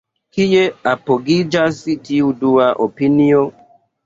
Kie apogiĝas tiu dua opinio?